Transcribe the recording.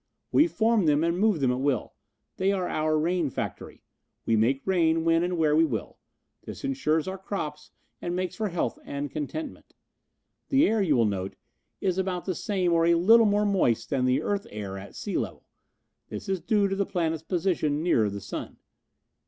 We form them and move them at will. They are our rain factory. We make rain when and where we will. This insures our crops and makes for health and contentment. "The air, you will note, is about the same or a little more moist than the earth air at sea level. This is due to the planet's position nearer the sun.